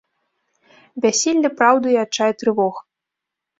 Бяссілле праўды і адчай трывог.